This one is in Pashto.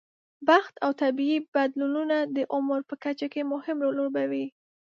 بخت او طبیعي بدلونونه د عمر په کچه کې مهم رول لوبوي.